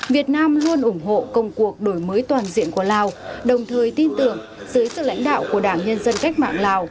việt nam luôn ủng hộ công cuộc đổi mới toàn diện của lào đồng thời tin tưởng dưới sự lãnh đạo của đảng nhân dân cách mạng lào